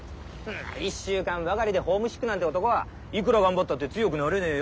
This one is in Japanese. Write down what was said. １週間ばかりでホームシックなんて男はいくら頑張ったって強くなれねえよ。